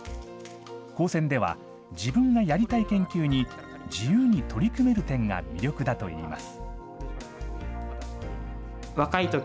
高専では、自分がやりたい研究に自由に取り組める点が魅力だといいます。